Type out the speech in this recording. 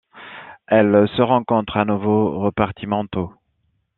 Elle se rencontre à Novo Repartimento.